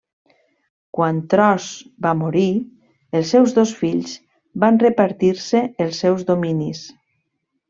Quan Tros va morir, els seus dos fills van repartir-se els seus dominis.